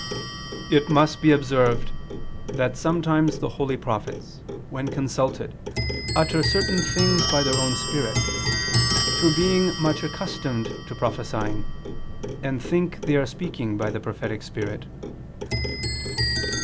"It must be observed that sometimes the holy prophets, when consulted, utter certain things by their own spirit, through being much accustomed to prophesying, and think they are speaking by the prophetic spirit."